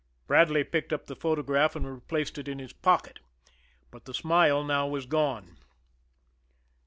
Bradley picked up the photograph and replaced it in his pocket but the smile now was gone.